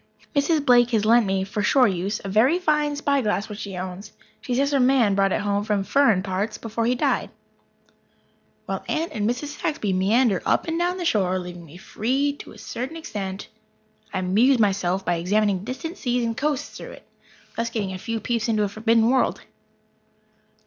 Mrs. Blake has lent me, for shore use, a very fine spyglass which she owns. She says her "man" brought it home from "furrin' parts" before he died. While Aunt and Mrs. Saxby meander up and down the shore, leaving me free to a certain extent, I amuse myself by examining distant seas and coasts through it, thus getting a few peeps into a forbidden world.